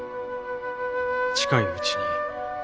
近いうちに。